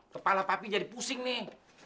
kepala papi jadi pusing nih